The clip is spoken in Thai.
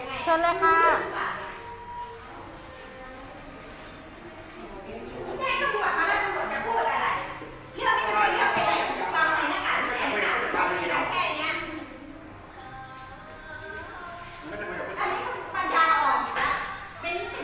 พี่ไม่ตื่นิดยังไง